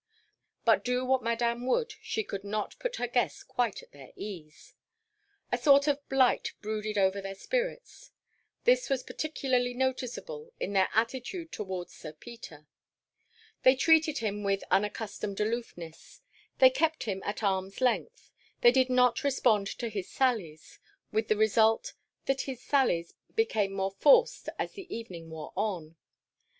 But do what Madame would she could not put her guests quite at their ease. A sort of blight brooded over their spirits. This was particularly noticeable in their attitude towards Sir Peter. They treated him with unaccustomed aloofness; they kept him at arm's length; they did not respond to his sallies; with the result that his sallies became more forced as the evening wore on.